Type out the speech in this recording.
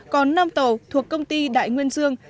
còn năm tàu thuộc công ty đại nguyên dương